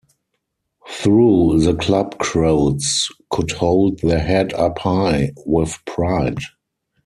Through the club Croats could hold their head up high with pride.